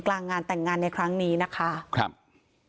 กลางงานแต่งงานในครั้งนี้นะคะครับ